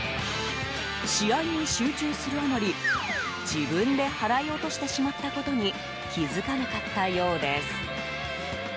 試合に集中するあまり、自分で払い落としてしまったことに気づかなかったようです。